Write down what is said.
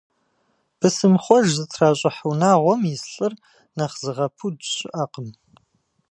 Бысымхъуэж зытращӏыхь унагъуэм ис лӏыр нэхъ зыгъэпуд щыӏэкъым.